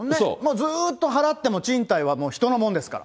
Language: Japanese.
ずっと払っても、賃貸は人のもんですから。